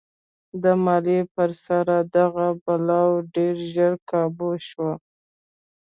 د مالیې پر سر دغه بلوا ډېر ژر کابو شوه.